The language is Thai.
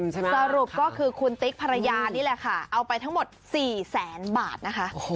สรุปก็คือคุณติ๊กภรรยานี่แหละค่ะเอาไปทั้งหมด๔แสนบาทนะคะ